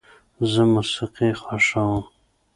زه موسیقي خوښوم.